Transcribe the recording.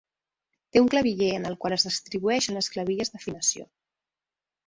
Té un claviller en el qual es distribueixen les clavilles d'afinació.